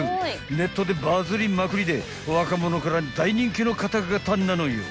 ［ネットでバズりまくりで若者から大人気の方々なのよ］